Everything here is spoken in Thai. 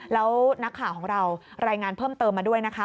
แล้วนักข่าวของเรารายงานเพิ่มเติมมาด้วยนะคะ